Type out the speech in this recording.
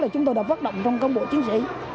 chúng tôi đã phát động trong công bộ chiến sĩ